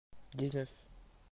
dix-neuf.